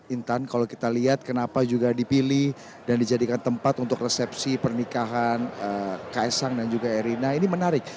intan kalau kita lihat kenapa juga dipilih dan dijadikan tempat untuk resepsi pernikahan kaisang dan juga erina ini menarik